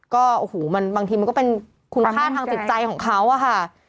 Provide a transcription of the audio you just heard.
ก็บางทีมันก็เป็นคุณฆ่าทางติดใจของเขาค่ะ